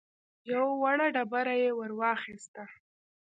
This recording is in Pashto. يوه وړه ډبره يې ور واخيسته.